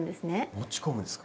持ち込むですか？